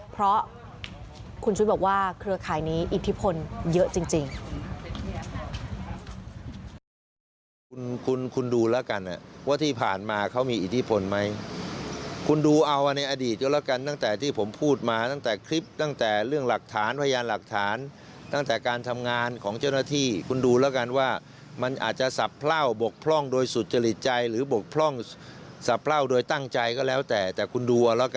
เพราะคุณชุวิตบอกว่าเครือข่ายนี้อิทธิพลเยอะจริง